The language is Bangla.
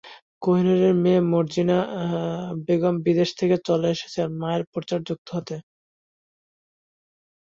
কোহিনূরের মেয়ে মর্জিনা বেগম বিদেশ থেকে চলে এসেছেন মায়ের প্রচারে যুক্ত হতে।